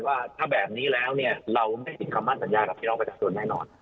ว่าถ้าแบบนี้แล้วเนี่ยเราไม่มีความมั่นสัญญาติกับพี่น้องไปจากส่วนแม่นอน